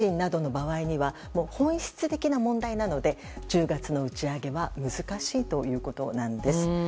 でも、それ以外のエンジンなどの場合には本質的な問題なので１０月の打ち上げは難しいということなんです。